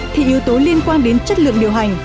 thì yếu tố liên quan đến chất lượng điều hành